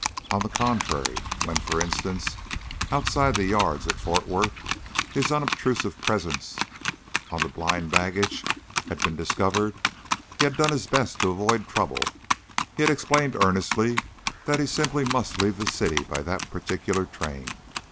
On the contrary, when, for instance, outside the yards at Fort Worth his unobtrusive presence on the blind baggage had been discovered, he had done his best to avoid trouble. He had explained earnestly that he simply must leave the city by that particular train.